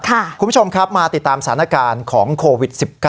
คุณผู้ชมครับมาติดตามสถานการณ์ของโควิด๑๙